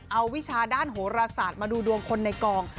เอาวิชาด้านโหรศาสตร์มาดูดวงคนในกอง